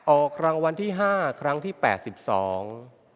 ออกรางวัลที่ห้าครั้งที่แปดสิบสอง